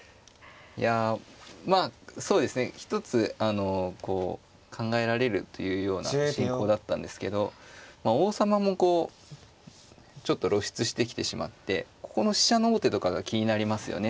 いやまあそうですね一つこう考えられるというような進行だったんですけど王様もこうちょっと露出してきてしまってここの飛車の王手とかが気になりますよね